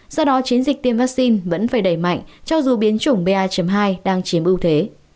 do đó chiến dịch tiêm vaccine vẫn phải đẩy mạnh cho dù biến chủng ba hai đang chiếm ưu thế